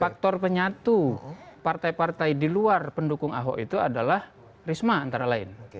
faktor penyatu partai partai di luar pendukung ahok itu adalah risma antara lain